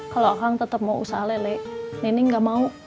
kalau akang tetep mau usaha lele neneng gak mau